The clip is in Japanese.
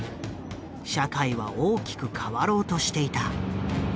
社会は大きく変わろうとしていた。